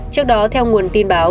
trước đó theo nguồn tin báo